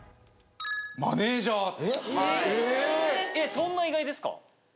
そんな意外ですか？